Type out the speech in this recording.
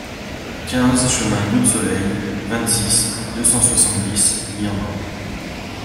quinze chemin Goutte Soleil, vingt-six, deux cent soixante-dix, Mirmande